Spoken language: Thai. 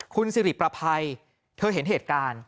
คุณสิริประภัยเธอเห็นเหตุการณ์